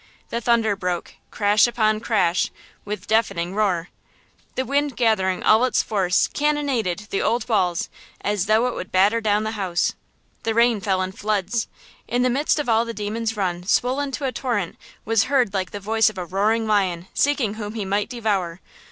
The thunder broke, crash upon crash, with deafening roar! The wind gathering all its force cannonaded the old walls as though it would batter down the house! The rain fell in floods! In the midst of all the Demon's Run, swollen to a torrent, was heard like the voice of a "roaring lion, seeking whom he might devour!"